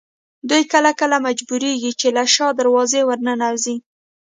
دوی کله کله مجبورېږي چې له شا دروازې ورننوځي.